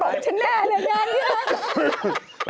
มารทบอกฉันแน่แน่ยังคะ